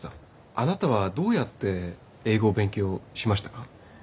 あなたはどうやって英語を勉強しましたか？